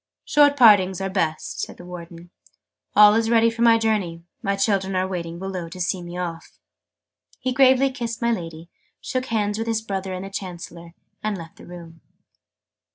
"Short partings are best," said the Warden. "All is ready for my journey. My children are waiting below to see me off" He gravely kissed my Lady, shook hands with his brother and the Chancellor, and left the room.